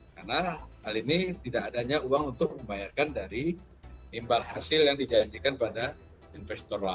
karena kali ini tidak adanya uang untuk dibayarkan dari imbal hasil yang dijanjikan pada investor lama